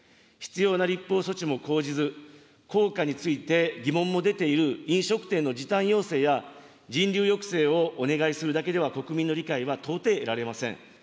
必要な立法措置も講じず、効果について、疑問も出ている飲食店の時短要請や、人流抑制をお願いするだけでは、国民の理解は到底得られません。